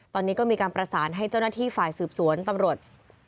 ตอนนี้ก็มีการประสานให้เจ้าหน้าที่ฝ่ายสืบสวนตำรวจ